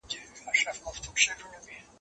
يوه کډه د بلي کډي زړه کاږي.